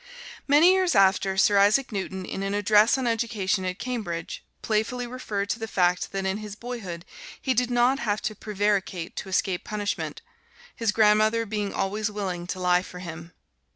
Many years after, Sir Isaac Newton, in an address on education at Cambridge, playfully referred to the fact that in his boyhood he did not have to prevaricate to escape punishment, his grandmother being always willing to lie for him.